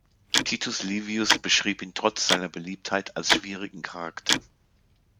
Titus Livius beschrieb ihn trotz seiner Beliebtheit als schwierigen Charakter.